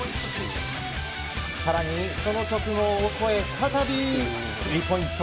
更にその直後オコエ再びスリーポイント。